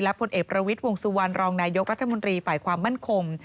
ผลเอกประวิทย์วงสุวรรณรองนายกรัฐมนตรีฝ่ายความมั่นคง